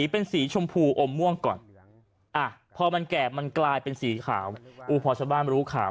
พอมันแกะมันกลายเป็นสีขาวอู่พ่อชาวบ้านรู้ข่าว